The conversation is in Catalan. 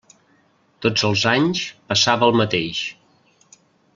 Tots els anys passava el mateix.